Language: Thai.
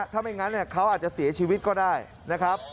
ถ้าไม่งั้นเขาอาจจะเสียชีวิตก็ได้นะครับ